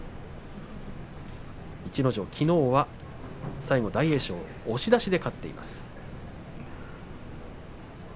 逸ノ城、きのうは大栄翔を押し出して勝っています。